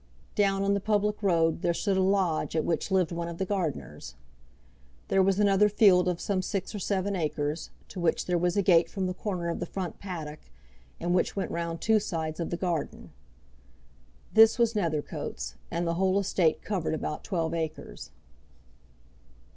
Down on the public road there stood a lodge at which lived one of the gardeners. There was another field of some six or seven acres, to which there was a gate from the corner of the front paddock, and which went round two sides of the garden. This was Nethercoats, and the whole estate covered about twelve acres.